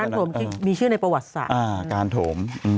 เออการโถมมีชื่อในประวัติศาสตร์อ่าการโถม